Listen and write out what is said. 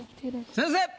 先生！